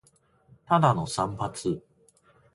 ただの散髪